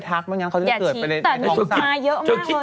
ฝนดาวตกเขาบอกว่าเวลาตกเราห้ามชี้จริงไหม